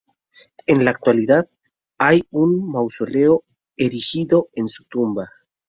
En la actualidad, hay un mausoleo erigido en su tumba.